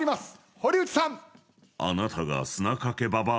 堀内さん。